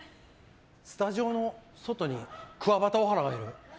スタジオの外にクワバタオハラがいる。